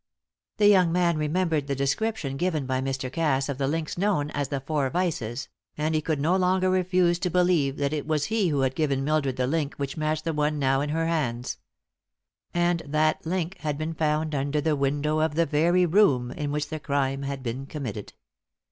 The young man remembered the description given by Mr. Cass of the links known as the "four vices," and he could no longer refuse to believe that it was he who had given Mildred the link which matched the one now in her hands. And that link had been found under the window of the very room in which the crime had been committed!